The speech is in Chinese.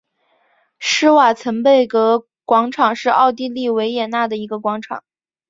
施瓦岑贝格广场是奥地利维也纳的一个广场。